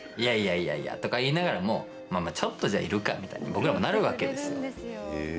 いやいやとか言いながらもじゃあ、ちょっといるかみたいに僕らもなるわけですよ。